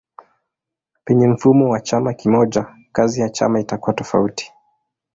Penye mfumo wa chama kimoja kazi ya chama itakuwa tofauti.